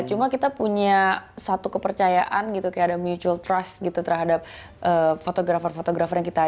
cuma kita punya satu kepercayaan gitu kayak ada mutual trust gitu terhadap fotografer fotografer yang kita